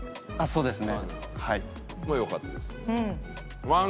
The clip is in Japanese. そうですね